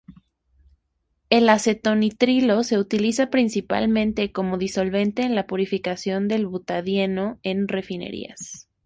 El acetonitrilo se utiliza principalmente como disolvente en la purificación del butadieno en refinerías.